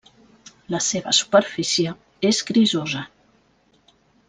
La seva superfície és grisosa.